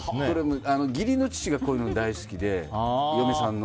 義理の父がこういうの大好きで嫁さんの。